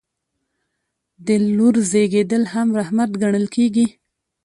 د لور زیږیدل هم رحمت ګڼل کیږي.